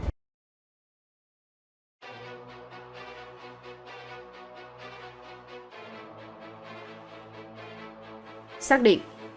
xác định đó là đối tượng cần truy tìm